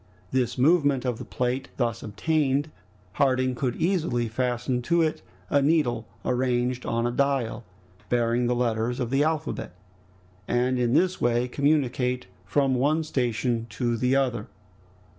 This movement of the plate thus obtained, Harding could easily fasten to it a needle arranged on a dial, bearing the letters of the alphabet, and in this way communicate from one station to the other.